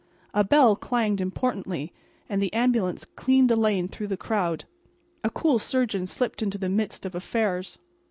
A bell clanged importantly, and the ambulance cleaned a lane through the crowd. A cool surgeon slipped into the midst of affairs.